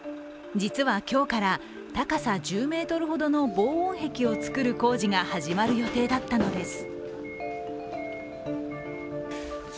実は今日から、高さ１０ｍほどの防音壁を作る工事が始まる予定だったのです。